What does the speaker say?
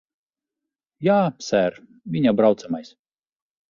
Jā, ser. Viņa braucamais.